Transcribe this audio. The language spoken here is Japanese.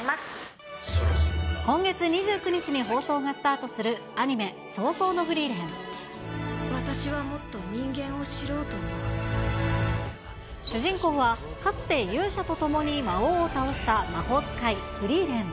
今月２９日に放送がスタートする、アニメ、私はもっと人間を知ろうと思主人公は、かつて勇者と共に魔王を倒した魔法使いフリーレン。